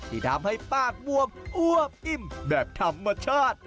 ที่ทำให้ปากบวมอ้วบอิ่มแบบธรรมชาติ